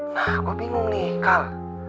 nah aku bingung nih kal